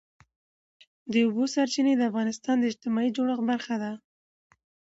د اوبو سرچینې د افغانستان د اجتماعي جوړښت برخه ده.